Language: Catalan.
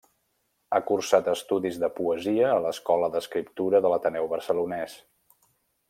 Ha cursat estudis de poesia a l'Escola d'Escriptura de l'Ateneu Barcelonès.